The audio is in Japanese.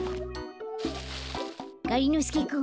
がりのすけくん